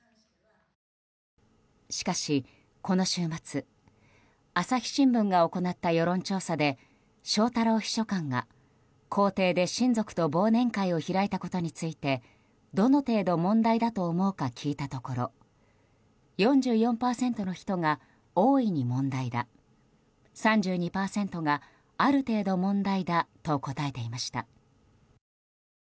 しかし、この週末朝日新聞が行った世論調査で翔太郎秘書官が、公邸で親族と忘年会を開いたことについてどの程度、問題だと思うか聞いたところ４４％の人が大いに問題だ３２％がある程度問題だと答えていました。